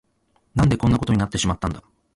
何でこんなことになってしまったんだ。